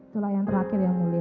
cula yang terakhir ya mulia